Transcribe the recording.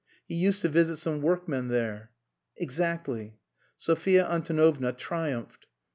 He used to visit some workmen there." "Exactly." Sophia Antonovna triumphed.